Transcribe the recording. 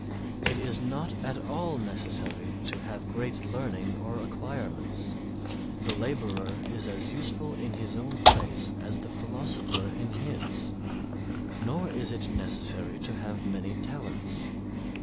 It is not at all necessary to have great learning or acquirements, the laborer is as useful in his own place as the philosopher in his; nor is it necessary to have many talents.